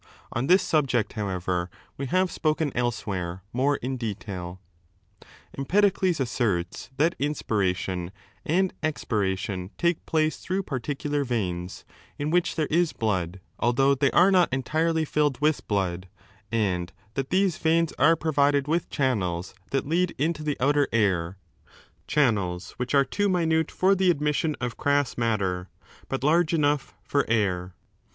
On this subject, however, we have spoken elsewhere more in detail^ 4 Empedodes asserts that inspiration and expiration take 473 ^ place through particular veins, in which there is blood, ^Ct. Dean, 421a 7 tL ; De ienm, 4446 16. 299 300 Aristotle's psychology derbsfol although they are not entirely filled with blood, and that these veins are provided with channels that lead into the outer air, channels which are too minute for the admission of crass matter, but large enough for air.